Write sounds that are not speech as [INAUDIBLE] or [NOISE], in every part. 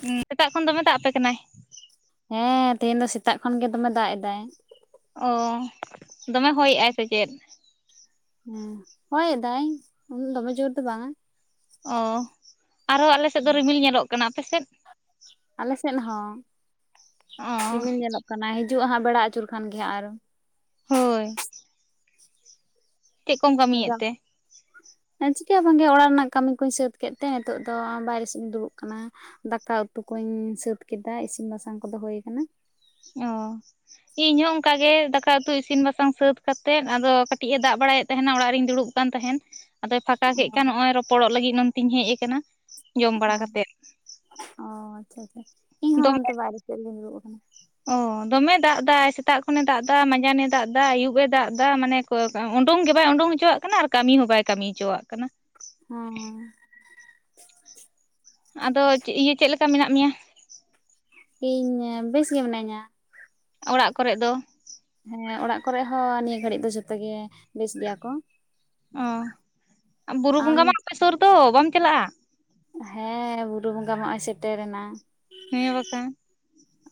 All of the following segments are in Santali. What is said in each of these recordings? ᱥᱮᱛᱟᱜ ᱠᱷᱚᱱ ᱫᱚᱢᱮ ᱫᱟᱜ ᱟᱯᱮ ᱠᱟᱱᱟᱭ ᱦᱮᱸ ᱛᱤᱦᱤᱧ ᱫᱚ ᱥᱮᱛᱟᱜ ᱠᱷᱚᱱ ᱜᱮ ᱫᱚᱢᱮ ᱫᱟᱜ ᱮᱫᱟᱭ᱾ ᱚ ᱫᱚᱢᱮ ᱦᱚᱭᱮᱜᱼᱟᱭ ᱥᱮ ᱪᱮᱫ? ᱦᱮᱸ ᱦᱚᱭ ᱫᱟᱭ ᱩᱸ ᱫᱚᱢᱮ ᱡᱳᱨ ᱫᱚ ᱵᱟᱝᱟ᱾ ᱚᱻ ᱟᱨᱚ ᱟᱞᱮ ᱥᱮᱜ ᱫᱚ ᱨᱤᱢᱤᱞ ᱧᱮᱞᱚᱜ ᱠᱟᱱᱟ, ᱟᱯᱮ ᱥᱮᱫ? ᱟᱞᱮ ᱥᱮᱫ ᱦᱚᱸ ᱚ ᱨᱤᱢᱤᱞ ᱧᱮᱞᱚᱜ ᱠᱟᱱᱟ ᱦᱤᱡᱩᱜ-ᱟ ᱦᱟᱸᱜ ᱵᱮᱲᱟ ᱟᱹᱪᱩᱨ ᱠᱷᱟᱱ ᱜᱮ ᱦᱟᱸᱜ ᱟᱨᱼᱼ ᱦᱳᱭ᱾ ᱪᱮᱫ ᱠᱚᱢ ᱠᱟᱹᱢᱤᱭᱮᱫ ᱛᱮ? ᱮᱸᱻ ᱪᱤᱠᱟ ᱦᱚᱸ ᱵᱟᱝ ᱜᱮ ᱚᱲᱟᱜ ᱨᱮᱱᱟᱜ ᱠᱟᱢᱤ ᱠᱩᱧ ᱥᱟᱹᱛ ᱠᱮᱜ ᱛᱮ ᱱᱤᱛᱚᱜ ᱫᱚ ᱵᱟᱭᱨᱮ ᱥᱮᱫ ᱤᱧ ᱫᱩᱲᱩᱵ ᱠᱟᱱᱟ᱾ ᱫᱟᱠᱟ ᱩᱛᱩ ᱠᱚᱧ ᱥᱟᱹᱛ ᱠᱮᱫᱟ ᱤᱥᱤᱱ ᱵᱟᱥᱟᱝ ᱠᱚᱫᱚ ᱦᱚᱭ ᱠᱟᱱᱟ᱾ ᱚᱻ᱾ ᱤᱧ ᱦᱚᱸ ᱚᱱᱠᱟ ᱜᱮ ᱫᱟᱠᱟ ᱩᱛᱩ ᱤᱥᱤᱱ ᱵᱟᱥᱟᱝ ᱥᱟᱹᱛ ᱠᱟᱛᱮᱫ ᱟᱫᱚ ᱠᱟᱹᱴᱤᱡ ᱮ ᱫᱟᱜ ᱵᱟᱲᱟᱭᱮᱜ ᱛᱟᱦᱮᱱᱟ ᱚᱲᱟᱜ ᱨᱤᱧ ᱫᱩᱲᱩᱵᱼᱼ ᱠᱟᱱ ᱛᱟᱦᱮᱱ ᱟᱫᱚᱭ ᱯᱷᱟᱸᱠᱟ ᱠᱮᱜ ᱠᱷᱟᱱ ᱱᱚᱜ-ᱚᱭ ᱨᱚᱯᱚᱲᱚᱜ ᱞᱟᱹᱜᱤᱫ ᱱᱚᱱᱛᱤᱧ ᱦᱮᱡ ᱠᱟᱱᱟ᱾ ᱚᱸ ᱚ ᱟᱪᱪᱷᱟ ᱟᱪᱪᱷᱟ ᱤᱧ ᱦᱚᱸ ᱫᱚᱢᱮ ᱱᱚᱱᱛᱮ ᱵᱟᱭᱨᱮ ᱥᱮᱜ ᱨᱮᱜᱤᱧ ᱫᱩᱲᱩᱵ ᱟᱠᱟᱱᱟ᱾ ᱚ ᱫᱚᱢᱮᱭ ᱫᱟᱜ ᱫᱟᱭ ᱥᱮᱛᱟᱜ ᱠᱷᱚᱱᱮ ᱫᱟᱜ ᱫᱟ ᱢᱟᱸᱡᱟᱱᱮ ᱫᱟᱜ ᱫᱟ ᱟᱹᱭᱩᱵ ᱮ ᱫᱟᱜ ᱫᱟ ᱢᱟᱱᱮᱼᱼ ᱠᱟᱹᱣ ᱠᱟᱜ-ᱟ ᱩᱰᱩᱝ ᱜᱮ ᱵᱟᱭ ᱩᱰᱩᱝ ᱦᱚᱪᱚᱣᱟᱜ ᱠᱟᱱᱟ ᱟᱨ ᱠᱟᱢᱤ ᱦᱚᱸ ᱵᱟᱭ ᱠᱟᱢᱤ ᱦᱚᱪᱚᱣᱟᱜ ᱠᱟᱱᱟ᱾ ᱦᱚᱸᱻ᱾ ᱟᱫᱚ ᱪᱮᱫ ᱤᱭᱟᱹ ᱪᱮᱫ ᱞᱮᱠᱟ ᱢᱮᱱᱟᱜ ᱢᱮᱭᱟ? ᱤᱧ ᱵᱮᱥ ᱜᱮ ᱢᱤᱱᱟᱹᱧᱟ᱾ ᱚᱲᱟᱜ ᱠᱚᱨᱮᱫ ᱫᱚ? ᱦᱮᱸ ᱚᱲᱟᱜ ᱠᱚᱨᱮᱜ ᱦᱚᱸ ᱱᱤᱭᱟᱹ ᱜᱷᱟᱹᱲᱤᱡ ᱫᱚ ᱡᱷᱚᱛᱚ ᱜᱮ ᱵᱮᱥ ᱜᱮᱭᱟ ᱠᱚ ᱚ ᱵᱩᱨᱩ ᱟᱢ ᱵᱚᱸᱜᱟ ᱢᱟ ᱚᱯᱮ ᱥᱩᱨ ᱫᱚ ᱵᱟᱢ ᱪᱟᱞᱟᱜᱼᱟ? ᱦᱮᱸ ᱵᱩᱨᱩ ᱵᱚᱸᱜᱟ ᱢᱟ ᱱᱚᱜᱼᱚᱭ ᱥᱮᱴᱮᱨᱮᱱᱟ ᱦᱮᱸ ᱵᱟᱠᱷᱟᱱ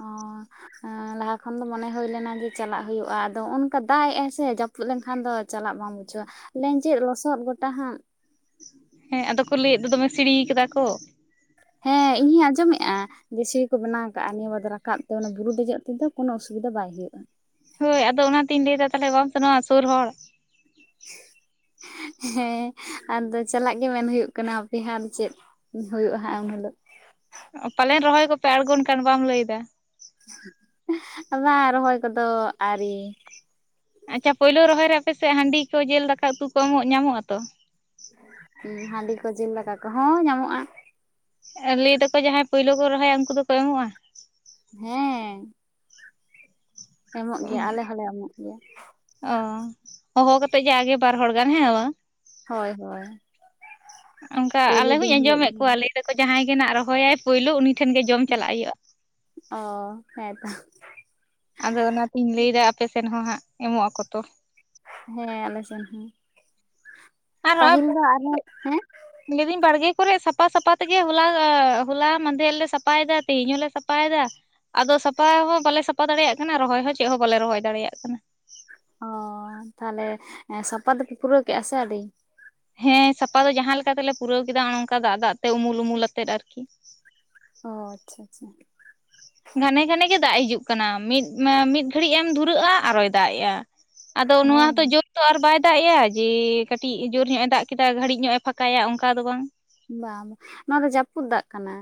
ᱚᱼᱼ ᱚ, ᱞᱟᱦᱟ ᱠᱷᱚᱱ ᱫᱚ ᱢᱚᱱᱮ ᱦᱩᱭ ᱞᱮᱱᱟ ᱡᱮ ᱪᱟᱞᱟᱜ ᱦᱩᱭᱩᱜᱼᱟ ᱟᱫᱚ ᱦᱚᱸᱜ-ᱚ ᱱᱚᱝᱠᱟ ᱫᱟᱜ ᱮᱜᱼᱟᱭ ᱥᱮ ᱡᱟᱹᱯᱩᱫ ᱞᱮᱱᱠᱷᱟᱱ ᱫᱚ ᱪᱟᱞᱟᱜ ᱵᱟᱝ‌ ᱵᱩ ᱪᱚ ᱞᱮᱸᱡᱮᱫ ᱞᱚᱥᱚᱫ ᱜᱚᱴᱟ ᱦᱟᱸᱜ ᱦᱮᱸ ᱟᱫᱚ ᱠᱚ ᱞᱟᱹᱭᱮᱫ ᱫᱚ ᱫᱚᱢᱮ ᱥᱤᱲᱤᱭ ᱠᱟᱫᱟ ᱠᱚ ᱦᱮᱸ ᱤᱧ ᱦᱚᱧ ᱟᱸᱡᱚᱢᱮᱜ-ᱟ ᱡᱮ ᱥᱤᱲᱤ ᱠᱚ ᱵᱮᱱᱟᱣ ᱠᱟᱟᱜᱼᱟ ᱱᱤᱭᱟᱹ ᱵᱟᱨ ᱫᱚ ᱨᱟᱠᱟᱵ ᱛᱮ ᱚᱱᱟ ᱵᱩᱨᱩ ᱫᱮᱡᱚᱜ ᱛᱮᱫᱚ ᱠᱳᱱᱳ ᱚᱥᱩᱵᱤᱫᱟ ᱵᱟᱭ ᱦᱩᱭᱩᱜᱼᱟ ᱦᱳᱭ ᱟᱫᱚ ᱚᱱᱟᱛᱤᱧ ᱞᱟᱹᱭ ᱮᱫᱟ ᱛᱟᱦᱞᱮ ᱵᱟᱢ ᱥᱮᱱᱚᱜ- ᱟ ᱥᱩᱨ ᱦᱚᱲ [INAUDIBLE] ᱦᱮᱸ ᱟᱫᱚ ᱪᱟᱞᱟᱜ ᱜᱮ ᱢᱮᱱ ᱦᱩᱭᱩᱜ ᱠᱟᱱᱟ ᱦᱟᱯᱮ ᱦᱟᱸᱜ ᱟᱫᱚ ᱪᱮᱫ ᱦᱩᱭᱩᱜᱼᱟ ᱦᱟᱸᱜ ᱩᱱ ᱦᱤᱞᱳᱜ ᱯᱟᱞᱮᱱ ᱨᱚᱦᱚᱭ ᱠᱚᱯᱮ ᱟᱬᱜᱚᱱ ᱠᱟᱱ ᱵᱟᱢ ᱞᱟᱹᱭ ᱮᱫᱟ ᱵᱟᱝ ᱨᱚᱦᱚᱭ ᱠᱚᱫᱚ ᱟᱣᱨᱤ ᱟᱪᱪᱷᱟ ᱯᱳᱭᱞᱳ ᱨᱚᱦᱚᱭ ᱨᱮ ᱟᱯᱮᱥᱮᱫ ᱦᱟᱺᱰᱤ ᱠᱚ ᱡᱮᱞ ᱫᱟᱠᱟ ᱩᱛᱩ ᱠᱚ ᱦᱚᱸ ᱧᱟᱢᱚᱜᱼᱟ ᱛᱚ ᱩᱸ, ᱦᱟᱺᱰᱤ ᱠᱚ ᱡᱤᱞ ᱫᱠᱟ ᱠᱚ ᱦᱮᱸ ᱧᱟᱢᱚᱜᱼᱟ ᱞᱟᱹᱭ ᱫᱟᱠᱚ ᱡᱟᱦᱟᱸᱭ ᱯᱩᱭᱞᱳ ᱠᱚ ᱨᱚᱦᱚᱭᱟ ᱩᱝᱠᱩ ᱫᱚᱠᱚ ᱮᱢᱚᱜᱼᱟ ᱦᱮᱸ ᱮᱢᱚᱜ ᱜᱮᱭᱟ ᱟᱞᱮ ᱦᱚᱸᱞᱮ ᱮᱢᱚᱜ ᱜᱮᱭᱟ ᱚ, ᱦᱚᱦᱚ ᱠᱟᱛᱮᱜ ᱡᱟᱜᱮ ᱵᱟᱨ ᱦᱚᱲ ᱜᱟᱱ ᱦᱮᱸ ᱵᱟᱝ ᱦᱳᱭ ᱦᱳᱭ ᱚᱝᱠᱟ ᱯᱳᱭᱞᱳ ᱟᱞᱮ ᱫᱤᱱ ᱦᱚᱸᱧ ᱦᱤᱞᱳᱜ ᱫᱚ ᱟᱸᱡᱚᱢᱮᱫ ᱦᱟᱸᱜ ᱠᱚᱣᱟ ᱞᱟᱹᱭᱟᱫᱟᱠᱚ ᱡᱟᱦᱟᱸᱭ ᱜᱮ ᱱᱟᱜ ᱨᱚᱦᱚᱭᱟᱭ ᱯᱳᱭᱞᱳ ᱩᱱᱤ ᱴᱷᱮᱱᱜ ᱜᱮ ᱡᱚᱢ ᱪᱟᱞᱟᱜ ᱦᱩᱭᱩᱜᱼᱟ ᱚ ᱦᱮᱸ ᱛᱚ ᱟᱫᱚ ᱚᱱᱟᱛᱤᱧ ᱞᱟᱹᱭ ᱮᱫᱟ ᱟᱯᱮᱥᱮᱱ ᱦᱚᱸ ᱦᱟᱸᱜ ᱮᱢᱚᱜ-ᱟᱠᱚ ᱛᱚ ᱦᱮᱸ ᱟᱞᱮ ᱥᱮᱱ ᱦᱚᱸ ᱟᱨ ᱯᱟᱹᱦᱤᱞ ᱫᱚ ᱟᱨᱦᱚᱸ ᱦᱚᱸᱜᱼᱚᱭ ᱦᱮᱸ ᱞᱟᱹᱭᱫᱟᱹᱧ ᱵᱟᱲᱜᱮ ᱠᱚᱨᱮᱫ ᱥᱟᱯᱷᱟ ᱥᱟᱯᱷᱟ ᱛᱮᱜᱮ ᱦᱚᱞᱟ ᱦᱚᱞᱟ ᱢᱟᱫᱷᱮᱨ ᱞᱮ ᱥᱟᱯᱷᱟᱭᱮᱫᱟ ᱛᱤᱦᱤᱧ ᱦᱚᱸᱞᱮ ᱥᱟᱯᱷᱟᱭᱮᱫᱟ ᱟᱫᱚ ᱥᱟᱯᱟ ᱦᱚᱸ ᱵᱟᱞᱮ ᱥᱟᱯᱷᱟ ᱫᱟᱲᱮᱭᱟᱜ ᱠᱟᱱᱟ ᱨᱚᱦᱚᱭ ᱦᱚᱸ ᱪᱮᱫ ᱦᱚᱸ ᱵᱟᱞᱮ ᱨᱚᱦᱚᱭ ᱫᱟᱲᱮᱭᱟᱜ ᱠᱟᱱᱟ ᱚ ᱛᱟᱦᱞᱮ ᱥᱟᱯᱟ ᱫᱚᱯᱮ ᱯᱩᱨᱟᱹᱣ ᱠᱮᱜ-ᱟ ᱥᱮ ᱟᱹᱣᱨᱤ ᱦᱮᱸ ᱥᱟᱯᱟ ᱫᱚ ᱡᱟᱦᱟᱸᱞᱮᱠᱟ ᱛᱮᱞᱮ ᱯᱩᱨᱟᱹᱣ ᱠᱮᱫᱟ ᱱᱚᱜ-ᱚ ᱱᱚᱝᱠᱟ ᱫᱟᱜ ᱫᱟᱜ ᱛᱮ ᱩᱢᱩᱞ ᱩᱢᱩᱞ ᱟᱛᱮᱫ ᱟᱨᱠᱤ ᱚ, ᱟᱪᱪᱷᱟ ᱟᱪᱪᱷᱟ ᱜᱷᱟᱱᱮ ᱜᱷᱟᱱᱮ ᱜᱮ ᱫᱟᱜ ᱦᱤᱡᱩᱜ ᱠᱟᱱᱟ ᱢᱤᱫ ᱢᱟ ᱢᱤᱫ ᱜᱷᱟᱹᱲᱤᱡ ᱮᱢ ᱫᱷᱩᱨᱟᱹᱜᱼᱟ ᱟᱨᱚᱭ ᱫᱟᱜ ᱮᱜᱼᱟ ᱟᱫᱚ ᱱᱚᱣᱟ ᱦᱮᱸ ᱦᱚᱸᱛᱚ ᱡᱳ ᱛᱚ ᱟᱨ ᱵᱟᱭ ᱫᱟᱜ ᱮᱜᱼᱟ ᱡᱮ ᱠᱟᱹᱴᱤᱡ ᱡᱳᱨ ᱧᱚᱜ-ᱮ ᱫᱟᱜ ᱠᱮᱫᱟ ᱜᱷᱟᱹᱲᱤᱡ ᱧᱚᱜ-ᱮ ᱯᱷᱟᱸᱠᱟᱭᱟ ᱚᱝᱠᱟ ᱫᱚ ᱵᱟᱝ ᱵᱟᱝ-ᱵᱟ ᱱᱚᱭᱟ ᱫᱚ ᱡᱟᱹᱯᱩᱫ ᱫᱟᱜ ᱠᱟᱱᱟ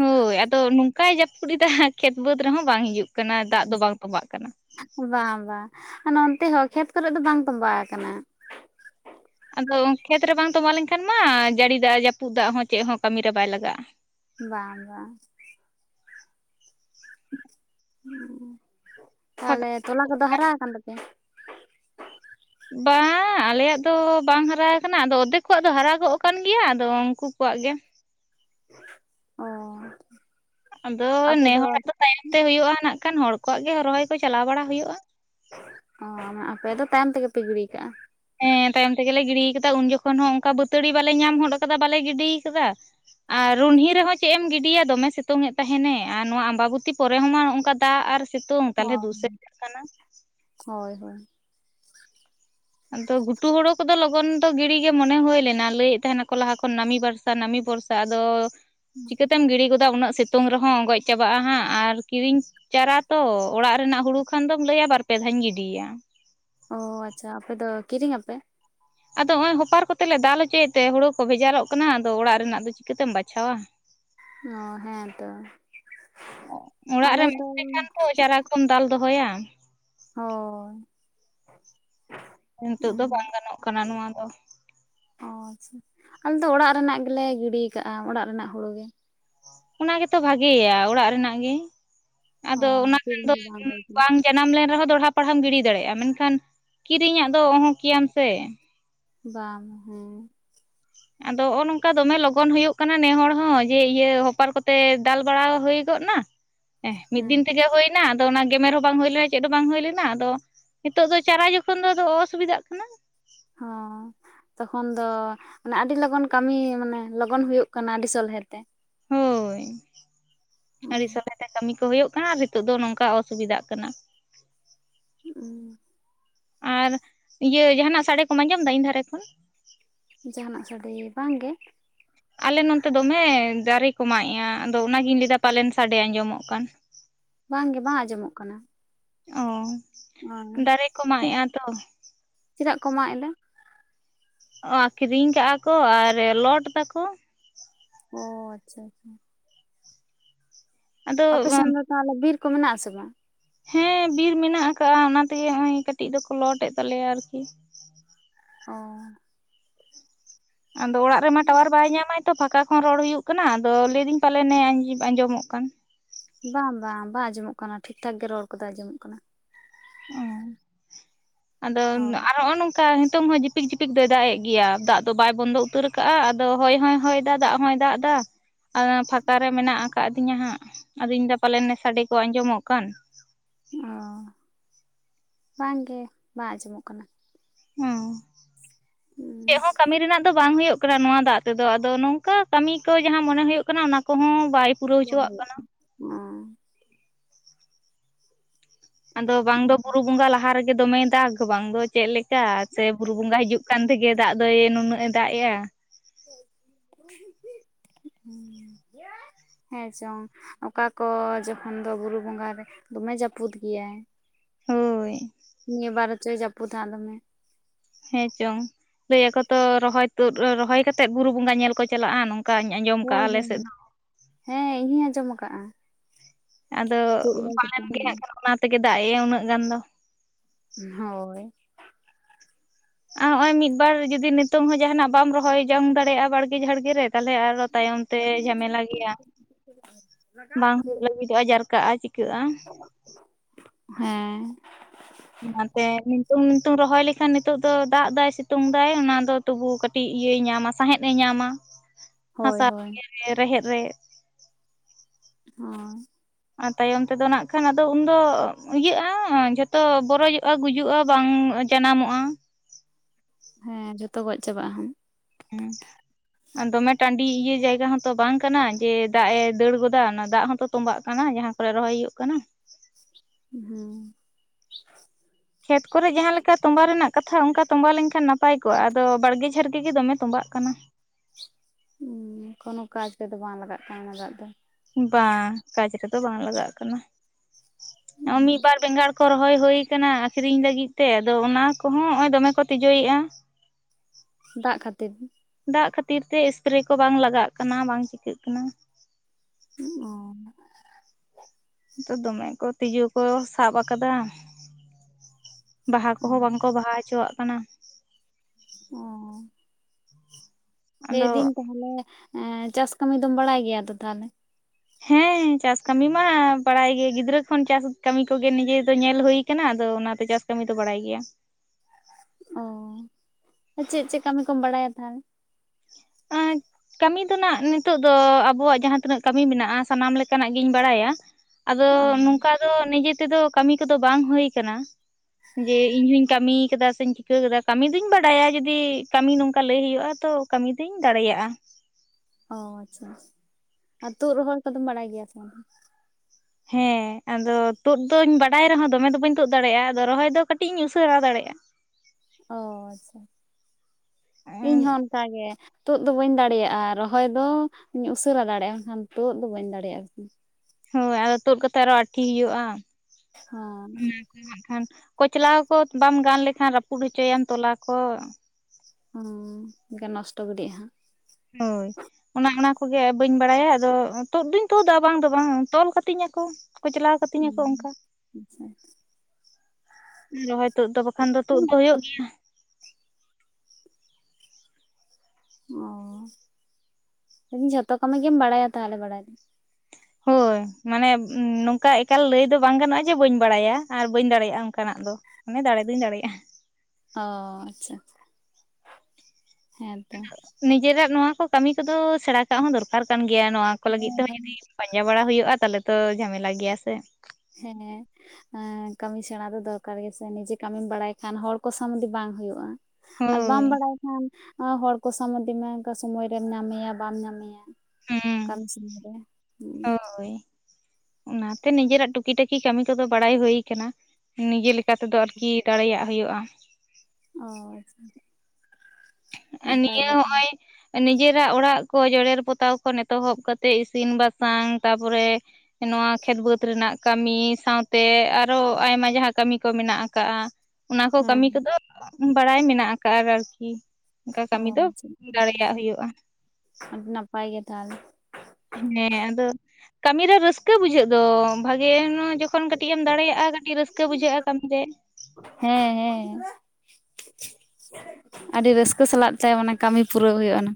ᱦᱳᱭ ᱟᱫᱚ ᱱᱚᱝᱠᱟᱭ ᱡᱟᱹᱯᱩᱫ ᱮᱫᱟ ᱠᱷᱮᱛ ᱵᱟᱹᱫᱽ ᱨᱮᱦᱚᱸ ᱵᱟᱝ ᱦᱤᱡᱩᱜ ᱠᱟᱱᱟ ᱫᱟᱜ ᱫᱚ ᱵᱟᱝ ᱛᱚᱸᱵᱟᱜ ᱠᱟᱱᱟ ᱵᱟᱝ ᱵᱟᱝ ᱢᱟᱱᱮ ᱚᱱᱛᱮ ᱦᱚᱸ ᱠᱷᱮᱛ ᱠᱚᱨᱮ ᱫᱚ ᱵᱟᱝ ᱛᱚᱸᱵᱟ ᱟᱠᱟᱱᱟ ᱟᱫᱚ ᱠᱷᱮᱛ ᱨᱮ ᱵᱟᱝ ᱛᱚᱸᱵᱟ ᱞᱮᱱᱠᱷᱟᱱ ᱢᱟ ᱡᱟᱹᱲᱤ ᱫᱟᱜ ᱡᱟᱹᱯᱩᱫ ᱫᱟᱜ ᱦᱚᱸ ᱪᱮᱫ ᱦᱚᱸ ᱠᱟᱹᱢᱤ ᱨᱮ ᱵᱟᱭ ᱞᱟᱜᱟᱜᱼᱟ ᱵᱟᱝ ᱵᱟᱝ ᱦᱩᱸ ᱯᱷᱟᱸᱠᱟ ᱛᱟᱦᱞᱮ ᱛᱚᱞᱟ ᱠᱚᱫᱚ ᱦᱟᱨᱟᱣ ᱠᱟᱱ ᱛᱟᱯᱮᱭᱟ ᱵᱟᱝ ᱟᱞᱮᱭᱟᱜ ᱫᱚ ᱵᱟᱝ ᱦᱟᱨᱟᱣ ᱟᱠᱟᱱᱟ ᱟᱫᱚ ᱚᱫᱫᱷᱮᱠ ᱠᱚᱣᱟᱜ ᱫᱚ ᱦᱟᱨᱟ ᱜᱚᱜ ᱟᱠᱟᱱ ᱜᱮᱭᱟ ᱟᱫᱚ ᱩᱱᱠᱩ ᱠᱚᱣᱟᱜ ᱜᱮ ᱚ ᱟᱫᱚ ᱱᱮ ᱦᱚᱲᱟᱜ ᱫᱚ ᱛᱟᱭᱚᱢ ᱛᱮ ᱦᱩᱭᱩᱜᱼᱟ ᱱᱟᱜ ᱠᱷᱟᱱ ᱦᱚᱲ ᱠᱚᱣᱟᱜ ᱜᱮ ᱦᱚ ᱨᱚᱦᱚᱭ ᱠᱚ ᱪᱟᱞᱟᱣ ᱵᱟᱲᱟ ᱦᱩᱭᱩᱜᱼᱟ ᱚ ᱟᱯᱮ ᱫᱚ ᱛᱟᱭᱚᱢ ᱛᱮᱜᱮ ᱯᱮ ᱜᱤᱲᱤᱭ ᱠᱟᱜᱼᱟ ᱦᱮᱸ ᱛᱟᱭᱚᱢ ᱛᱮᱜᱮᱞᱮ ᱜᱤᱲᱤᱭ ᱠᱟᱫᱟ ᱩᱱ ᱡᱚᱠᱷᱚᱱ ᱦᱚᱸ ᱚᱝᱠᱟ ᱵᱟᱹᱛᱟᱹᱲᱤ ᱵᱟᱞᱮ ᱧᱟᱢ ᱦᱚᱫ ᱠᱟᱫᱟ ᱵᱟᱞᱮ ᱜᱤᱰᱤᱭ ᱠᱟᱫᱟ ᱟᱨ ᱨᱩᱱᱦᱤ ᱨᱮᱦᱚᱸ ᱪᱮᱫ ᱮᱢ ᱜᱤᱰᱤᱭᱟ ᱫᱚᱢᱮ ᱥᱤᱛᱩᱝ ᱮᱫ ᱛᱟᱦᱮᱱᱮ ᱟᱨ ᱱᱚᱣᱟ ᱟᱢᱵᱟᱵᱩᱛᱤ ᱯᱚᱨᱮ ᱦᱚᱸᱢᱟ ᱱᱚᱝᱠᱟ ᱫᱟᱜ ᱟᱨ ᱥᱤᱛᱩᱝ ᱚ ᱛᱟᱦᱞᱮ ᱫᱩᱥᱮᱫ ᱠᱟᱱᱟ ᱦᱳᱭ ᱦᱳᱭ ᱟᱫᱚ ᱜᱷᱩᱴᱩ ᱦᱩᱲᱩ ᱠᱚᱫᱚ ᱞᱚᱜᱚᱱ ᱫᱚ ᱜᱤᱲᱤ ᱜᱮ ᱢᱚᱱᱮ ᱦᱳᱭ ᱞᱮᱱᱟ ᱞᱟᱹᱭᱮᱫ ᱛᱟᱦᱮᱱᱟᱠᱚ ᱞᱟᱦᱟ ᱠᱷᱚᱱ ᱱᱟᱢᱤ ᱵᱟᱨᱥ ᱱᱟᱢᱤ ᱵᱚᱨᱥᱟ ᱟᱫᱚ ᱪᱤᱠᱟᱹᱛᱮᱢ ᱜᱤᱲᱤ ᱜᱚᱫᱟ ᱩᱱᱟᱹᱜ ᱥᱤᱛ ᱥᱤᱛᱩᱝ ᱨᱮᱦᱚᱸ ᱜᱚᱡ ᱪᱟᱵᱟᱜᱼᱟ ᱦᱟᱸᱜ ᱟᱨ ᱠᱤᱨᱤᱧ ᱪᱟᱨᱟ ᱛᱚ ᱚᱲᱟᱜ ᱨᱮᱱᱟᱜ ᱦᱩᱲᱩ ᱠᱷᱟᱱ ᱫᱚᱢ ᱞᱟᱹᱭᱟ ᱵᱟᱨ ᱯᱮ ᱫᱷᱟᱹᱧ ᱜᱤᱰᱤᱭᱟ ᱚ ᱟᱪᱪᱷᱟ ᱟᱯᱮ ᱫᱚ ᱠᱤᱨᱤᱧᱟᱯᱮ? ᱟᱫᱚ ᱦᱚᱸᱜ-ᱚᱭ ᱦᱚᱯᱟᱨ ᱠᱚᱛᱮ ᱞᱮ ᱫᱟᱞ ᱚᱪᱚᱭᱮᱫ ᱛᱮ ᱦᱩᱲᱩ ᱠᱚ ᱵᱷᱮᱡᱟᱨᱚᱜ ᱠᱟᱱᱟ ᱟᱫᱚ ᱚᱲᱟᱜ ᱨᱮᱱᱟᱜ ᱫᱚ ᱪᱤᱠᱟᱹᱛᱮᱢ ᱵᱟᱪᱷᱟᱣᱟ ᱚ ᱦᱮᱸ ᱛᱚ ᱚᱲᱟᱜ ᱟᱞᱮ ᱨᱮᱢ ᱮᱢ ᱫᱚ ᱞᱮᱠᱷᱟᱱ ᱛᱚ ᱪᱟᱨᱟ ᱠᱚᱢ ᱫᱟᱞ ᱫᱚᱦᱚᱭᱟ ᱦᱳᱭ ᱱᱤᱛᱚᱜ ᱫᱚ ᱩᱸ ᱵᱟᱝ ᱜᱟᱱᱚᱜ ᱠᱟᱱᱟ ᱱᱚᱣᱟ ᱫᱚ ᱚ ᱟᱪᱪᱷᱟ ᱟᱞᱮ ᱫᱚ ᱚᱲᱟᱜ ᱨᱮᱱᱟᱜ ᱜᱮᱞᱮ ᱜᱤᱰᱤ ᱟᱠᱟᱜᱼᱟ ᱚᱲᱟᱜ ᱨᱮᱱᱟᱜ ᱦᱩᱲᱩ ᱜᱮ ᱚᱱᱟ ᱜᱮᱛᱚ ᱵᱷᱟᱜᱤᱭᱟ ᱚᱲᱟᱜ ᱨᱮᱱᱟᱜ ᱜᱤ ᱟᱫᱚ ᱦᱚᱸ ᱚᱱᱟ ᱠᱷᱟᱱ ᱠᱤᱨᱤᱧ ᱫᱚ ᱵᱟᱝ ᱦᱩᱭ [UNINTELLIGIBLE] ᱠᱟᱱᱟ ᱵᱟᱝ ᱡᱟᱱᱟᱢ ᱞᱮᱱ ᱨᱮᱦᱚᱸ ᱫᱚᱲᱦᱟ ᱯᱚᱲᱦᱟᱢ ᱜᱤᱰᱤ ᱫᱟᱲᱮᱭᱟᱜᱼᱟ ᱢᱮᱱᱠᱷᱟᱱ ᱠᱤᱨᱤᱧᱟᱜ ᱫᱚ ᱚᱦᱚᱠᱮᱭᱟᱢ ᱥᱮ ᱵᱟᱝ ᱦᱮᱸ ᱟᱫᱚ ᱱᱚᱜ ᱱᱚᱝᱠᱟ ᱫᱚᱢᱮ ᱞᱚᱜᱚᱱ ᱦᱩᱭᱩᱜ ᱠᱟᱱᱟ ᱱᱮ ᱦᱚᱲ ᱦᱚᱸ ᱡᱮ ᱤᱭᱟᱹ ᱦᱚᱯᱟᱨ ᱠᱚᱛᱮ ᱫᱟᱞ ᱵᱟᱲᱟ ᱦᱩᱭ ᱜᱚᱫ ᱮᱱᱟ, [INAUDIBLE] ᱦᱮᱸ ᱢᱤᱫ ᱫᱤᱱ ᱛᱮᱜᱮ ᱦᱩᱭ ᱮᱱᱟ ᱟᱫᱚ ᱚᱱᱟ ᱜᱮᱢᱮᱨ ᱦᱚᱸ ᱵᱟᱝ ᱦᱩᱭ ᱞᱮᱱᱟ ᱪᱮᱫ ᱦᱚᱸ ᱵᱟᱝ ᱦᱩᱭ ᱞᱮᱱᱟ ᱟᱫᱚ ᱱᱤᱛᱚᱜ ᱫᱚ ᱪᱟᱨᱟ ᱡᱚᱠᱷᱚᱱ ᱨᱮᱫᱚ ᱚᱥᱩᱵᱤᱫᱷᱟᱜ ᱠᱟᱱᱟ ᱦᱚᱸ ᱛᱚᱠᱷᱚᱱ ᱫᱚ ᱢᱟᱱᱮ ᱟᱹᱰᱤ ᱞᱚᱜᱚᱱ ᱠᱟᱹᱢᱤ ᱢᱟᱱᱮ ᱞᱚᱜᱚᱱ ᱦᱩᱭᱩᱜ ᱠᱟᱱᱟ ᱟᱹᱰᱤ ᱥᱚᱞᱦᱮ ᱛᱮ ᱦᱳᱭ ᱟᱹᱰᱤ ᱥᱚᱞᱦᱮ ᱛᱮ ᱠᱟᱹᱢᱤ ᱠᱚ ᱦᱩᱭᱩᱜ ᱠᱟᱱᱟ ᱟᱨ ᱱᱤᱛᱚᱜ ᱫᱚ ᱱᱚᱝᱠᱟ ᱚᱥᱩᱵᱤᱫᱷᱟᱜ ᱠᱟᱱᱟ ᱦᱩᱜ ᱩᱸ ᱟᱨ ᱤᱭᱟᱹ ᱡᱟᱦᱟᱱᱟᱜ ᱥᱟᱲᱮ ᱠᱚᱢ ᱟᱸᱡᱚᱢ ᱮᱫᱟ ᱤᱧ ᱫᱷᱟᱨᱮ ᱠᱷᱚᱱ ᱡᱟᱦᱟᱱᱟᱜ ᱥᱟᱰᱮ ᱵᱟᱝᱜᱮ, ᱟᱞᱮ ᱱᱚᱛᱮ ᱫᱚᱢᱮ ᱫᱟᱨᱮ ᱠᱚ ᱢᱟᱜ ᱮᱫ-ᱟ ᱟᱫᱚ ᱚᱱᱟᱜᱤᱧ ᱞᱟᱹᱭ ᱮᱫᱟ ᱯᱟᱞᱮᱱ ᱥᱟᱰᱮ ᱟᱸᱡᱚᱢᱚᱜ ᱠᱟᱱ ᱵᱟᱝᱜᱮ ᱵᱟᱝ ᱟᱸᱡᱚᱢᱚᱜ ᱠᱟᱱᱟ ᱚ ᱟᱨ ᱫᱟᱨᱮ ᱠᱚ ᱢᱟᱜ ᱮᱜᱼᱟ ᱛᱚ ᱪᱮᱫᱟᱜ ᱠᱚ ᱢᱟᱜ ᱮᱫᱟ? ᱚ ᱟᱹᱠᱷᱨᱤᱧ ᱠᱟᱜᱼᱟ ᱠᱚ ᱟᱨ ᱞᱚᱴ ᱮᱫᱟᱠᱚ ᱚ ᱟᱪᱪᱷᱟ ᱟᱪᱪᱷᱟ ᱟᱫᱚ ᱟᱯᱮ ᱥᱮᱱ ᱫᱚ ᱛᱟᱦᱚᱞᱮ ᱵᱤᱨ ᱠᱚ ᱢᱮᱱᱟᱜ ᱟᱥᱮ ᱵᱟᱝ? ᱦᱮᱸ ᱵᱤᱨ ᱢᱮᱱᱟᱜ ᱟᱠᱟᱜ-ᱟ ᱚᱱᱟᱛᱮ ᱜᱮ ᱱᱚᱜ-ᱚᱭ ᱠᱟᱹᱴᱤᱡ ᱫᱚᱠᱚ ᱞᱚᱴ ᱮᱫ ᱛᱟᱞᱮᱭᱟ ᱟᱨᱠᱤ ᱚ ᱟᱫᱚ ᱚᱲᱟᱜ ᱨᱮᱢᱟ ᱴᱟᱣᱟᱨ ᱵᱟᱭ ᱧᱟᱢᱟᱭ ᱛᱚ ᱯᱷᱟᱸᱠᱟ ᱠᱷᱚᱱ ᱨᱚᱲ ᱦᱩᱭᱩᱜ ᱠᱟᱱᱟ ᱟᱫᱚ ᱞᱟᱹᱭ ᱮᱫᱟᱹᱧ ᱯᱟᱞᱮᱱᱮ ᱟᱸᱡᱚᱢᱚᱜ ᱠᱟᱱ ᱵᱟᱝ ᱵᱟᱝ, ᱵᱟᱝ ᱟᱸᱡᱚᱢᱚᱜ ᱠᱟᱱᱟ ᱴᱷᱤᱠ ᱴᱷᱟᱠ ᱜᱮ ᱨᱚᱲ ᱠᱚᱫᱚ ᱟᱸᱡᱚᱢᱚᱜ ᱠᱟᱱᱟ ᱚ ᱟᱫᱚ ᱦᱚᱸ ᱟᱨ ᱱᱚᱜ-ᱱᱚᱠ ᱚᱱᱠᱟ ᱱᱤᱛᱚᱝ ᱦᱚᱸ ᱡᱤᱯᱤᱠ ᱡᱤᱯᱤᱠ ᱫᱚᱭ ᱫᱟᱜ ᱮᱫ ᱜᱮᱭᱟ, ᱫᱟᱜ ᱫᱚ ᱵᱟᱭ ᱵᱚᱱᱫᱚ ᱩᱛᱟᱹᱨ ᱟᱠᱟᱜᱼᱟ ᱟᱫᱚ ᱦᱚᱭ ᱦᱚᱸᱭ ᱦᱚᱭ ᱮᱫᱟ ᱫᱟᱜ ᱦᱚᱸᱭ ᱫᱟᱜ ᱮᱫᱟ ᱟᱫᱚ ᱯᱷᱟᱸᱠᱟ ᱨᱮ ᱢᱮᱱᱟᱜ ᱟᱠᱟᱜ ᱫᱤᱧᱟ ᱦᱟᱸᱜ ᱟᱫᱚ ᱤᱧ ᱫᱚ ᱯᱟᱞᱮᱱ ᱥᱟᱰᱮ ᱠᱚ ᱟᱸᱡᱚᱢᱚᱜ ᱠᱟᱱ ᱚ ᱵᱟᱝ ᱜᱮ ᱵᱟᱝ ᱟᱸᱡᱚᱢᱚᱜ ᱠᱟᱱᱟ ᱦᱩᱸ ᱦᱩᱸ ᱪᱮᱫ ᱦᱚᱸ ᱠᱟᱹᱢᱤ ᱨᱮᱱᱟᱜ ᱫᱚ ᱵᱟᱝ ᱦᱩᱭᱩᱜ ᱠᱟᱱᱟ ᱱᱚᱣᱟ ᱫᱟᱜ ᱛᱮᱫᱚ ᱟᱫᱚ ᱱᱚᱝᱠᱟ ᱠᱟᱹᱢᱤ ᱠᱚ ᱡᱟᱦᱟᱸ ᱢᱚᱱᱮ ᱦᱩᱭᱩᱜ ᱠᱟᱱᱟ ᱚᱱᱟ ᱠᱚᱦᱚᱸ ᱵᱟᱭ ᱯᱩᱨᱟᱹᱣ ᱦᱚᱪᱚᱣᱟᱜ ᱠᱟᱱᱟ [UNINTELLIGIBLE] ᱚᱸ ᱟᱫᱚ ᱵᱟᱝᱫᱚ ᱵᱩᱨᱩ ᱵᱚᱸᱜᱟ ᱞᱟᱦᱟ ᱨᱮᱜᱮ ᱫᱚᱢᱮᱭ ᱫᱟᱜ ᱵᱟᱝ ᱫᱚ ᱪᱮᱫ ᱞᱮᱠᱟ ᱥᱮ ᱵᱩᱨᱩ ᱵᱚᱸᱜᱟ ᱦᱤᱡᱩᱜ ᱠᱟᱱ ᱛᱮᱜᱮ ᱫᱟᱜ ᱫᱚᱭ ᱱᱩᱱᱟᱹᱜ ᱮ ᱫᱟᱜ ᱮᱫᱼᱟ [INAUDIBLE] ᱦᱮᱸ ᱪᱚᱝ ᱚᱠᱟ ᱠᱚ ᱡᱚᱠᱷᱚᱱ ᱫᱚ ᱵᱩᱨᱩ ᱵᱚᱸᱜᱟ ᱨᱮ ᱫᱚᱢᱮ ᱡᱟᱹᱯᱩᱫ ᱜᱤᱭᱟᱭ ᱦᱳᱭ ᱱᱤᱭᱟᱹ ᱵᱟᱨ ᱦᱚᱪᱚᱭ ᱡᱟᱹᱯᱩᱫ ᱦᱟᱸᱜ ᱫᱚᱢᱮ ᱦᱮᱸ ᱪᱚᱝ ᱞᱟᱹᱭ ᱮᱫ ᱟᱠᱚ ᱛᱚ ᱨᱚᱦᱚᱭ ᱛᱩᱫ ᱨᱚᱦᱚᱭ ᱠᱟᱛᱮᱜ ᱵᱩᱨᱩ ᱵᱚᱸᱜᱟ ᱧᱮᱞ ᱠᱚ ᱪᱟᱞᱟᱜᱼᱟ ᱱᱚᱝ ᱦᱳᱭ ᱦᱳᱭ ᱦᱮᱸ ᱤᱧᱦᱩᱧ ᱟᱸᱡᱚᱢ ᱟᱠᱟᱫᱼᱟ ᱟᱫᱚ ᱯᱟᱞᱮᱱ ᱜᱮ ᱦᱟᱜ ᱦᱮᱸ ᱠᱷᱟᱱ ᱚᱱᱟ ᱛᱮᱜᱮ ᱫᱟᱜ ᱮᱫ ᱮ ᱩᱱᱟᱹᱜ ᱜᱟᱱ ᱫᱚ ᱦᱳᱭ ᱟᱨ ᱦᱚᱸᱜ ᱚᱭ ᱢᱤᱫ ᱵᱟᱨ ᱡᱩᱫᱤ ᱱᱤᱛᱚᱝ ᱦᱚᱸ ᱡᱟᱦᱟᱱᱟᱜ ᱵᱟᱢ ᱨᱚᱦᱚᱭ ᱡᱚᱝ ᱫᱟᱲᱮᱭᱟᱜᱼᱟ ᱵᱟᱲᱜᱮ ᱡᱷᱟᱲᱜᱮ ᱨᱮ ᱛᱟᱦᱚᱞᱮ ᱟᱨ ᱚ ᱛᱟᱭᱚᱢ ᱛᱮ ᱡᱷᱟᱢᱮᱞᱟ ᱜᱮᱭᱟ᱾ ᱵᱟᱝ ᱦᱩᱭᱩᱜ ᱞᱟᱹᱜᱤᱫᱚᱜᱼᱟ ᱡᱟᱨᱠᱟᱜᱼᱟ ᱪᱤᱠᱟᱹᱜᱼᱟ ᱦᱮᱸ ᱚᱱᱟᱛᱮ ᱱᱤᱛᱚᱝ ᱫᱚ ᱨᱚᱦᱚᱭ ᱞᱮᱠᱷᱟᱱ ᱱᱤᱛᱚᱜ ᱫᱚ ᱫᱟᱜ ᱫᱟᱭ ᱥᱤᱛᱩᱝ ᱫᱟᱭ ᱚᱱᱟᱫᱚ ᱛᱚᱵᱩ ᱠᱟᱹᱴᱤᱡ ᱤᱭᱟᱹᱭ ᱧᱟᱢᱟ ᱥᱟᱸᱦᱸᱮᱫ ᱮ ᱧᱟᱢᱟ [INAUDIBLE] ᱦᱟᱥᱟ ᱦᱳᱭ [UNINTELLIGIBLE] ᱨᱮᱦᱮᱫ ᱨᱮ ᱦᱚᱸ ᱟᱨ ᱛᱟᱭᱚᱢ ᱛᱮᱫᱚ ᱱᱟᱜ ᱠᱷᱟᱱ ᱟᱫᱚ ᱩᱱᱫᱚ ᱤᱭᱟᱹᱜᱼᱟ ᱡᱷᱚᱛᱚ ᱵᱚᱨᱚᱡᱚᱜᱼᱟ ᱜᱩᱡᱩᱜᱼᱟ ᱵᱟᱝ ᱡᱟᱱᱟᱢᱚᱜᱼᱟ ᱦᱮᱸ ᱡᱷᱚᱛᱚ ᱜᱚᱡ ᱪᱟᱵᱟᱜ ᱟ ᱦᱟᱜ ᱦᱩᱸ ᱫᱚᱢᱮ ᱴᱟᱺᱰᱤ ᱤᱭᱟᱹ ᱡᱟᱭᱜᱟ ᱦᱚᱸᱛᱚ ᱵᱟᱝ ᱠᱟᱱᱟ ᱡᱮ ᱫᱟᱜ ᱮ ᱫᱟᱹᱲ ᱜᱚᱫᱟ ᱚᱱᱟ ᱫᱟᱜ ᱦᱚᱸᱛᱚ ᱛᱚᱸᱵᱟᱜ ᱠᱟᱱᱟ ᱡᱟᱦᱟᱸ ᱠᱚᱨᱮ ᱨᱚᱦᱚᱭ ᱦᱩᱭᱩᱜ ᱠᱟᱱᱟ᱾ ᱦᱮᱸ ᱠᱷᱮᱛ ᱠᱚᱨᱮ ᱡᱟᱦᱟᱸ ᱞᱮᱠᱟ ᱛᱚᱸᱵᱟ ᱨᱮᱱᱟᱜ ᱠᱟᱛᱷᱟ ᱚᱱᱠᱟ ᱛᱚᱸᱵᱟ ᱞᱮᱱᱠᱷᱟᱱ ᱱᱟᱯᱟᱭ ᱠᱚᱜᱼᱟ ᱟᱫᱚ ᱵᱟᱲᱜᱮ ᱡᱷᱟᱲᱜᱮ ᱜᱮ ᱫᱚᱢᱮ ᱛᱚᱸᱚᱵᱟᱜ ᱠᱟᱱᱟ᱾ ᱠᱳᱱᱳ ᱠᱟᱡᱽ ᱨᱮᱫᱚ ᱵᱟᱝ ᱞᱟᱜᱟᱜ ᱠᱟᱱᱟ ᱚᱱᱟ ᱫᱟᱜ ᱫᱚ ᱵᱟᱝ ᱠᱟᱡᱽ ᱨᱮᱫᱚ ᱵᱟᱝ ᱞᱟᱜᱟᱜ ᱠᱟᱱᱟ ᱢᱤᱫ ᱵᱟᱨ ᱵᱮᱸᱜᱟᱲ ᱠᱚ ᱨᱚᱦᱚᱭ ᱦᱩᱭ ᱠᱟᱱᱟ ᱟᱠᱷᱨᱤᱧ ᱞᱟᱹᱜᱤᱫ ᱛᱮ ᱟᱫᱚ ᱚᱱᱟ ᱠᱚᱦᱚᱸ ᱱᱚᱜ ᱚᱭ ᱫᱚᱢᱮ ᱠᱚ ᱛᱤᱡᱩᱭᱮᱫᱼᱟ ᱫᱟᱜ ᱠᱷᱟᱹᱛᱤᱨ ᱫᱟᱜ ᱠᱷᱟᱹᱛᱤᱨ ᱛᱮ ᱥᱯᱨᱮ ᱠᱚ ᱵᱟᱝ ᱞᱟᱜᱟᱜ ᱠᱟᱱᱟ ᱵᱟᱝ ᱪᱤᱠᱟᱹᱜ ᱠᱟᱱᱟ ᱚ ᱫᱚᱢᱮ ᱠᱚ ᱛᱤᱡᱩ ᱠᱚ ᱥᱟᱵ ᱟᱠᱟᱫᱟ ᱵᱟᱦᱟ ᱚ ᱠᱚᱦᱚᱸ ᱵᱟᱝ ᱠᱚ ᱵᱟᱦᱟ ᱦᱚᱪᱚᱣᱟᱜ ᱠᱟᱱᱟ᱾ ᱚᱻ ᱟᱫᱚ ᱞᱟᱹᱭᱫᱟᱹᱧ ᱛᱟᱦᱚᱞᱮ ᱪᱟᱥ ᱠᱟᱹᱢᱤ ᱫᱚᱢ ᱵᱟᱲᱟᱭ ᱜᱮᱭᱟ ᱛᱚ ᱛᱟᱦᱚᱞᱮ ᱦᱮᱸ ᱪᱟᱥ ᱠᱟᱹᱢᱤ ᱢᱟ ᱵᱟᱲᱟᱭ ᱜᱮ ᱜᱤᱫᱽᱨᱟᱹ ᱠᱷᱚᱱ ᱪᱟᱥ ᱠᱟᱹᱢᱤ ᱠᱚᱜᱮ ᱱᱤᱡᱮ ᱫᱚ ᱧᱮᱞ ᱦᱩᱭ ᱠᱟᱱᱟ ᱟᱫᱚ ᱚᱱᱟᱛᱮ ᱪᱟᱥ ᱠᱟᱹᱢᱤ ᱫᱚ ᱵᱟᱲᱟᱭ ᱜᱮᱭᱟ᱾ ᱚ ᱪᱮᱫ ᱪᱮᱫ ᱠᱟᱹᱢᱤ ᱠᱚᱢ ᱵᱟᱲᱟᱭᱟ ᱛᱟᱦᱚᱞᱮ ᱮᱸ [INAUDIBLE] ᱠᱟᱹᱢᱤ ᱫᱚ ᱱᱟᱜ ᱱᱤᱛᱚᱜ ᱫᱚ ᱟᱵᱚᱣᱟᱜ ᱡᱟᱦᱟᱸ ᱛᱤᱱᱟᱹᱜ ᱠᱟᱹᱢᱤ ᱢᱮᱱᱟᱜᱼᱟ ᱥᱟᱱᱟᱢ ᱞᱮᱠᱟᱱᱟᱜ ᱜᱤᱧ ᱵᱟᱲᱟᱭᱟ᱾ ᱟᱫᱚ ᱚ ᱱᱚᱝᱠᱟ ᱫᱚ ᱱᱤᱡᱮ ᱛᱮᱫᱚ ᱠᱟᱹᱢᱤ ᱠᱚᱫᱚ ᱵᱟᱝ ᱦᱩᱭ ᱟᱠᱟᱱᱟ᱾ ᱡᱮ ᱤᱧ ᱦᱩᱧ ᱠᱟᱹᱢᱤ ᱠᱟᱫᱟ ᱥᱮᱧ ᱪᱤᱠᱟᱹ ᱠᱟᱫᱟ ᱠᱟᱹᱢᱤ ᱫᱩᱧ ᱵᱟᱲᱟᱭᱟ ᱡᱩᱫᱤ ᱠᱟᱹᱢᱤ ᱱᱚᱝᱠᱟ ᱞᱟᱹᱭ ᱦᱩᱭᱩᱜᱼᱟ ᱛᱚ ᱠᱟᱹᱢᱤ ᱫᱚᱧ ᱫᱟᱲᱮᱭᱟᱜᱼᱟ᱾ ᱚ ᱟᱪᱪᱷᱟ ᱟᱨ ᱛᱩᱫ ᱨᱚᱦᱚᱭ ᱠᱚᱫᱚᱢ ᱵᱟᱲᱟᱭ ᱜᱮᱭᱟ ᱥᱮ ᱵᱟᱝ? ᱦᱮᱸ ᱟᱫᱚ ᱛᱩᱫ ᱫᱚᱧ ᱵᱟᱰᱟᱭ ᱨᱮᱦᱚᱸ ᱫᱚᱢᱮ ᱫᱚ ᱵᱟᱹᱧ ᱛᱩᱫ ᱫᱟᱲᱮᱭᱟᱜᱼᱟ ᱟᱫᱚ ᱨᱚᱦᱚᱭ ᱫᱚ ᱠᱟᱹᱴᱤᱡ ᱤᱧ ᱩᱥᱟᱹᱨᱟ ᱫᱟᱲᱮᱭᱟᱜᱼᱟ᱾ ᱚ ᱟᱪᱪᱷᱟ ᱤᱧ ᱦᱚᱸ ᱚᱱᱠᱟ ᱜᱮ ᱛᱩᱫ ᱫᱚ ᱵᱟᱹᱧ ᱫᱟᱲᱮᱭᱟᱜᱼᱟ ᱨᱚᱦᱚᱭ ᱫᱚᱧ ᱩᱥᱟᱹᱨᱟ ᱫᱟᱲᱮᱭᱟᱜᱼᱟᱠᱷᱟᱱ ᱛᱩᱫ ᱫᱚ ᱵᱟᱹᱧ ᱫᱟᱲᱮᱭᱟᱜᱼᱟ ᱟᱨᱠᱤ᱾ ᱦᱳᱭ ᱟᱫᱚ ᱛᱩᱫ ᱠᱟᱛᱮᱜ ᱟᱨᱚ ᱟᱴᱷᱤ ᱦᱩᱭᱩᱜᱼᱟ᱾ ᱦᱚᱸ ᱦᱟᱸᱜ ᱠᱷᱟᱱ ᱠᱚᱪᱞᱟᱣ ᱠᱚ ᱵᱟᱢ ᱜᱟᱱ ᱞᱮᱠᱷᱟᱱ ᱨᱟᱹᱯᱩᱫ ᱦᱚᱪᱚᱭᱟᱢ ᱛᱚᱞᱟ ᱠᱚ ᱦᱩᱸ ᱜᱟᱱ ᱱᱚᱥᱴᱚᱜ ᱜᱤᱰᱤᱜ-ᱟ ᱦᱳᱭ ᱚᱱᱟ ᱚᱱᱟ ᱠᱚᱜᱮ ᱵᱟᱹᱧ ᱵᱟᱲᱟᱭᱟ ᱟᱫᱚ ᱛᱩᱫ ᱫᱩᱧ ᱛᱩᱫᱟ ᱵᱟᱝ ᱫᱚ ᱵᱟᱝ ᱛᱚᱞ ᱠᱟᱹᱛᱤᱧᱟᱠᱚ ᱠᱚᱪᱞᱟᱣ ᱠᱟᱹᱛᱤᱧᱟᱠᱚ ᱚᱱᱠᱟ ᱟᱪᱪᱷᱟ ᱨᱚᱦᱚᱭ ᱛᱩᱫ ᱫᱚ ᱵᱟᱠᱷᱟᱱ ᱫᱚ ᱛᱩᱫ ᱫᱚ ᱦᱳᱭᱳᱜ ᱜᱮᱭᱟ ᱾ ᱚ ᱞᱮᱫᱤᱧ ᱡᱷᱚᱛᱚ ᱠᱟᱹᱢᱤ ᱜᱮᱢ ᱵᱟᱲᱟᱭᱟ ᱛᱟᱦᱚᱞᱮ ᱵᱟᱲᱟᱭ ᱫᱚ᱾ [INAUDIBLE] ᱦᱚ ᱢᱟᱱᱮ ᱱᱚᱝᱠᱟ ᱮᱠᱟᱞ ᱞᱟᱹᱭ ᱫᱚ ᱵᱟᱝ ᱜᱟᱱᱚᱜᱼᱟ ᱡᱮ ᱵᱟᱹᱧ ᱵᱟᱲᱟᱭᱟ ᱟᱨ ᱵᱟᱹᱧ ᱫᱟᱲᱮᱭᱟᱜᱼᱟ ᱚᱱᱠᱟᱱᱟᱜ ᱫᱚ᱾ ᱚᱱᱮ ᱫᱟᱲᱮ ᱫᱩᱧ ᱫᱟᱲᱮᱭᱟᱜᱼᱟ᱾ ᱚ ᱟᱪᱷᱟ ᱟᱪᱷᱟ ᱦᱮᱸᱛᱚ ᱱᱤᱡᱮᱨᱟᱜ ᱱᱚᱣᱟ ᱠᱚ ᱠᱟᱹᱢᱤ ᱠᱚᱫᱚ ᱥᱮᱬᱟ ᱠᱟᱜ ᱦᱚᱸ ᱫᱚᱨᱠᱟᱨ ᱠᱟᱱ ᱜᱮᱭᱟ ᱱᱚᱣᱟ ᱠᱚ ᱞᱟᱹᱜᱤᱫ ᱛᱮᱦᱚᱸ ᱡᱩᱫᱤ ᱯᱟᱸᱡᱟ ᱵᱟᱲᱟ ᱦᱩᱭᱩᱜᱼᱟ ᱛᱟᱦᱚᱞᱮ ᱛᱚ ᱡᱷᱟᱢᱮᱞᱟ ᱜᱮᱭᱟ ᱥᱮ᱾ ᱦᱮᱸᱮ ᱮ ᱠᱟᱹᱢᱤ ᱥᱮᱬᱟ ᱫᱚ ᱫᱚᱨᱠᱟᱨ ᱜᱮ ᱥᱮ ᱱᱤᱡᱮ ᱠᱟᱹᱢᱤᱢ ᱵᱟᱲᱟᱭ ᱠᱷᱟᱱ ᱦᱚᱲ ᱠᱚᱥᱟᱢᱚᱫᱤ ᱵᱟᱝ ᱦᱩᱭᱩᱜᱼᱟ᱾ ᱟᱨ ᱵᱟᱢ ᱦᱳᱭ ᱵᱟᱲᱟᱭ ᱠᱷᱟᱱ ᱦᱚᱲ ᱠᱚᱥᱟᱢᱚᱫᱤ ᱢᱮ ᱚᱠᱟ ᱥᱚᱢᱚᱭ ᱨᱮᱢ ᱧᱟᱢᱮᱭᱟ ᱵᱟᱢ ᱧᱟᱢᱮᱭᱟ᱾ ᱦᱩᱸ ᱠᱟᱹᱢᱤ ᱥᱤᱢᱤᱝ ᱨᱮ ᱦᱳᱭ ᱚᱱᱟᱛᱮ ᱱᱤᱡᱮᱨᱟᱜ ᱴᱩᱠᱤᱴᱟᱠᱤ ᱠᱟᱹᱢᱤ ᱠᱚᱫᱚ ᱵᱟᱲᱟᱭ ᱦᱩᱭ ᱟᱠᱟᱱᱟ ᱱᱤᱡᱮ ᱞᱮᱠᱟᱛᱮᱫᱚ ᱟᱨᱠᱤ ᱫᱟᱲᱮᱭᱟᱜ ᱦᱩᱭᱩᱜᱼᱟ᱾ ᱚ ᱱᱟᱯᱟᱭ ᱱᱤᱭᱟᱹ ᱜᱮ ᱦᱚᱜ ᱛᱟᱦᱚᱞᱮ, ᱚᱭ ᱱᱤᱡᱮᱨᱟᱜ ᱚᱲᱟᱜ ᱠᱚ ᱡᱮᱨᱮᱲ ᱯᱚᱛᱟᱣ ᱠᱚ ᱮᱛᱚᱦᱚᱵ ᱠᱟᱛᱮᱜ ᱤᱥᱤᱱ ᱵᱟᱥᱟᱝ ᱛᱟᱯᱚᱨᱮ ᱱᱚᱣᱟ ᱠᱷᱮᱛ ᱵᱟᱹᱫᱽ ᱨᱮᱱᱟᱜ ᱠᱟᱹᱢᱤ ᱥᱟᱶᱛᱮ ᱟᱨᱚ ᱟᱭᱢᱟ ᱡᱟᱦᱟᱸ ᱠᱟᱹᱢᱤ ᱠᱚ ᱢᱮᱱᱟᱜ ᱟᱠᱟᱟᱜᱼᱟ ᱚᱱᱟ ᱠᱚ ᱠᱟᱹᱢᱤ ᱦᱮᱸ ᱠᱚᱫᱚ ᱵᱟᱲᱟᱭ ᱢᱮᱱᱟᱜ ᱟᱠᱟᱟᱜᱼᱟ ᱟᱨᱠᱤ ᱚᱱᱠᱟ ᱚ ᱠᱟᱹᱢᱤ ᱫᱚ ᱟᱪᱪᱷᱟ ᱫᱟᱲᱮᱭᱟᱜ ᱦᱩᱭᱩᱜᱼᱟ ᱟᱹᱰᱤ ᱱᱟᱯᱟᱭ ᱜᱮ ᱛᱟᱦᱚᱞᱮ ᱦᱮᱸ ᱟᱫᱚ ᱠᱟᱹᱢᱤᱨᱮ ᱨᱟᱹᱥᱠᱟᱹ ᱵᱩᱡᱷᱟᱹᱜ ᱫᱚ᱾ ᱵᱷᱟᱜᱮ ᱡᱚᱠᱷᱚᱱ ᱠᱟᱹᱴᱤᱡ ᱮᱢ ᱫᱟᱲᱮᱭᱟᱜᱼᱟ ᱠᱟᱹᱴᱤᱡ ᱨᱟᱹᱥᱠᱟᱹ ᱵᱩᱡᱷᱟᱹᱜᱼᱟ ᱠᱟᱹᱢᱤ ᱨᱮ ᱦᱮᱸ ᱦᱮᱸ ᱟᱹᱰᱤ ᱨᱟᱹᱥᱠᱟᱹ ᱥᱟᱞᱟᱜ ᱛᱮ ᱚᱱᱟ ᱠᱟᱹᱢᱤ ᱯᱩᱨᱟᱹᱣ ᱦᱩᱭᱩᱜᱼᱟ ᱚᱱᱟ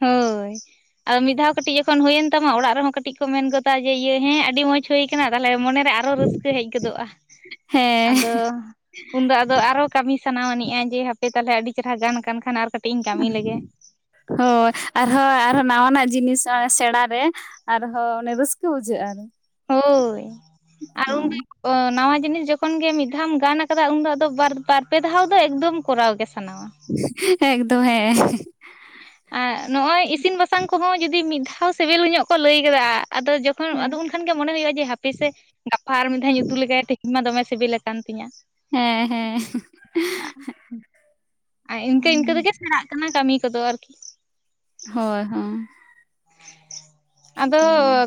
ᱦᱳᱭ ᱟᱫᱚ ᱢᱤᱫ ᱫᱷᱟᱣ ᱠᱟᱹᱴᱤᱡ ᱡᱚᱠᱷᱚᱱ ᱦᱩᱭᱮᱱ ᱛᱟᱢᱟ ᱚᱲᱟᱜ ᱨᱮᱦᱚᱸ ᱠᱟᱹᱴᱤᱡ ᱠᱚ ᱢᱮᱱ ᱜᱚᱫᱟ ᱡᱮ ᱤᱭᱟᱹ ᱦᱮᱸ ᱟᱹᱰᱤ ᱢᱚᱸᱡᱽ ᱦᱩᱭ ᱟᱠᱟᱱᱟ ᱛᱟᱦᱚᱞᱮ ᱢᱚᱱᱮ ᱟᱨᱚ ᱨᱟᱹᱥᱠᱟᱹ ᱦᱮᱡ ᱜᱚᱫᱚᱜᱼᱟ ᱦᱮᱸ ᱟᱫᱚ ᱩᱱᱫᱚ ᱟᱫᱚ ᱟᱨᱦᱚ ᱠᱟᱹᱢᱤ ᱥᱟᱱᱟ ᱟᱹᱱᱤᱡᱼᱟ ᱡᱮ ᱦᱟᱯᱮ ᱛᱟᱦᱚᱞᱮ ᱟᱹᱰᱤ ᱪᱮᱨᱦᱟ ᱜᱟᱱ ᱠᱟᱱ ᱠᱷᱟᱱ ᱟᱨ ᱠᱟᱹᱴᱤᱡ ᱤᱧ ᱠᱟᱹᱢᱤ ᱞᱮᱜᱮ ᱾ ᱦᱳᱭ ᱟᱨ ᱦᱚᱸ ᱟᱨ ᱦᱚᱸ ᱱᱟᱣᱟᱱᱟᱜ ᱡᱤᱱᱤᱥ ᱥᱮᱬᱟ ᱨᱮ ᱟᱨᱦᱚᱸ ᱚᱱᱮ ᱨᱟᱹᱥᱠᱟᱹ ᱵᱩᱡᱷᱟᱹᱜᱼᱟ ᱦᱳᱭ ᱟᱨ ᱦᱮᱸ ᱚ ᱱᱟᱣᱟ ᱡᱤᱱᱤᱥ ᱡᱚᱠᱷᱚᱱ ᱜᱮ ᱢᱤᱫ ᱫᱷᱟᱣ ᱜᱟᱱ ᱟᱠᱟᱫᱟ ᱩᱱ ᱫᱚ ᱟᱫᱚ ᱵᱟᱨ ᱯᱮ ᱫᱷᱟᱣ ᱫᱚ ᱮᱠᱫᱚᱢ ᱠᱚᱨᱟᱣ ᱜᱮ ᱥᱟᱱᱟᱣᱟ᱾ ᱦᱮᱸ ᱮᱠᱫᱚᱢ ᱦᱮᱸ ᱾ ᱟᱨ ᱱᱚᱜ ᱚᱭ ᱤᱥᱤᱱ ᱵᱟᱥᱟᱝ ᱠᱚᱦᱚᱸ ᱡᱩᱫᱤ ᱢᱤᱫ ᱫᱷᱟᱣ ᱥᱤᱵᱤᱞ ᱧᱚᱜ ᱠᱚ ᱞᱟᱹᱭ ᱟᱠᱟᱫᱟ ᱟᱫᱚ ᱡᱚ ᱟᱫᱚ ᱩᱱᱠᱷᱟᱱ ᱜᱮ ᱢᱚᱱᱮ ᱦᱩᱭᱩᱜᱼᱟ ᱦᱟᱯᱮ ᱥᱮ ᱜᱟᱯᱟ ᱟᱨ ᱢᱤᱫ ᱫᱷᱟᱣ ᱤᱧ ᱩᱛᱩ ᱞᱮᱜᱟᱭᱟ ᱛᱮᱦᱮᱧ ᱢᱟ ᱫᱚᱢᱮ ᱥᱤᱵᱤᱞ ᱟᱠᱟᱱ ᱛᱤᱧᱟ᱾ ᱦᱮᱸ ᱦᱮᱸ ᱦᱟ ᱟᱨ ᱤᱱᱠᱟᱹ ᱤᱱᱠᱟᱹ ᱛᱮᱜᱮ ᱥᱮᱬᱟᱜ ᱠᱟᱱᱟ ᱠᱟᱹᱢᱤ ᱠᱚᱫᱚ ᱟᱨᱠᱤ ᱦᱳᱭ ᱦᱳ ᱟᱫᱚ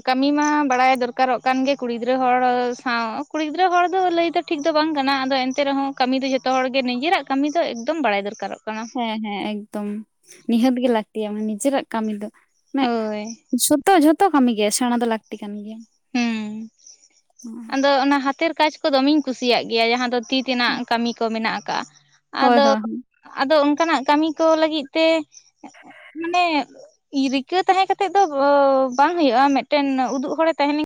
ᱠᱟ. ᱠᱟᱹᱢᱤ ᱢᱟ ᱵᱟᱲᱟᱭ ᱫᱚᱨᱠᱟᱨᱚᱜ ᱠᱟᱱ ᱜᱮ ᱠᱩᱲᱤ ᱜᱤᱫᱽᱨᱟᱹ ᱦᱚᱲ ᱥᱟᱶ ᱠᱩᱲᱤ ᱜᱤᱫᱽᱨᱟᱹ ᱦᱚᱲ ᱫᱚ ᱞᱟᱹᱭ ᱛᱮ᱾ ᱴᱷᱤᱠ ᱫᱚ ᱵᱟᱝ ᱠᱟᱱᱟ ᱟᱫᱚ ᱮᱱᱛᱮ ᱨᱮᱦᱚᱸ ᱠᱟᱹᱢᱤ ᱫᱚ ᱡᱚᱛᱚ ᱦᱚᱲ ᱜᱮ ᱱᱤᱡᱮᱨᱟᱜ ᱠᱟᱹᱢᱤ ᱫᱚ ᱮᱠᱫᱚᱢ ᱵᱟᱲᱟᱭ ᱫᱚᱨᱠᱟᱨᱚᱜ ᱠᱟᱱᱟ᱾ ᱦᱮᱸ ᱦᱮᱸ ᱮᱠᱫᱚᱢ ᱱᱤᱦᱟᱹᱛ ᱜᱮ ᱞᱟᱹᱠᱛᱤᱭᱟ ᱢᱟᱱᱮ ᱱᱤᱡᱮᱨᱟᱜ ᱠᱟᱹᱢᱤ ᱫᱚ ᱾ ᱦᱳᱭ ᱡᱷᱚᱛᱚ ᱡᱷᱚᱛᱚ ᱠᱟᱹᱢᱤ ᱜᱮ ᱥᱮᱬᱟ ᱫᱚ ᱞᱟᱹᱠᱛᱤ ᱠᱟᱱ ᱜᱮᱭᱟ ᱾ ᱦᱮᱸ ᱟᱫᱚ ᱚᱱᱟ ᱦᱟᱛᱮᱨ ᱠᱟᱡ ᱠᱚ ᱫᱚᱢᱮᱧ ᱠᱩᱥᱤᱭᱟᱜ ᱜᱮᱭᱟ ᱡᱟᱦᱟᱸ ᱫᱚ ᱛᱤ ᱛᱮᱱᱟᱜ ᱠᱟᱹᱢᱤ ᱠᱚ ᱢᱮᱱᱟᱜ ᱠᱟᱜ-ᱟ ᱦᱳᱭ ᱟᱫᱚ ᱦᱳᱭ - ᱟᱫᱚ ᱚᱱᱠᱟᱱᱟᱜ ᱠᱟᱹᱢᱤ ᱠᱚ ᱞᱟᱹᱜᱤᱫ ᱛᱮ ᱢᱟᱱᱮ ᱨᱤᱠᱟᱹ ᱛᱟᱦᱮᱸ ᱠᱟᱛᱮᱫ ᱫᱚ ᱵᱟᱝ ᱦᱩᱭᱩᱜᱼᱟ ᱢᱤᱫᱴᱮᱱ ᱩᱫᱩᱜ ᱦᱚᱲᱮ ᱛᱟᱦᱮᱱ